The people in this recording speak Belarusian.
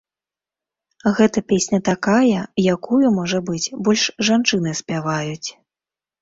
Гэта песня такая, якую, можа быць, больш жанчыны спяваюць.